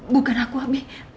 bukan aku abi